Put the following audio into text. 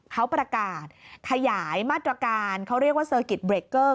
เขาประกาศขยายมาตรการเขาเรียกว่าเซอร์กิจเบรกเกอร์